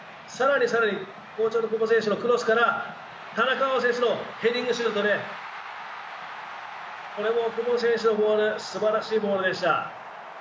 更に、この久保選手のパスから、田中碧選手のヘディングシュートでこの久保選手のボールすばらしいボールでした。